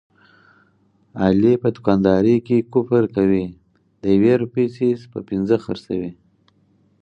علي په دوکاندارۍ کې کفر کوي، د یوې روپۍ څیز په پینځه خرڅوي.